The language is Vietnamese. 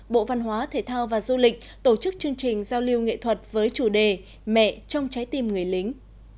bộ văn hóa thể thao và du lịch tổ chức chương trình giao lưu nghệ thuật với chủ đề mẹ trong trái tim người lính